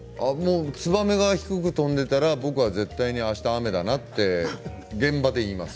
ツバメが低く飛んでいたら僕は絶対にあした雨だなって現場で言います。